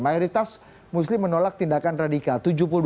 mayoritas muslim menolak tindakan radikal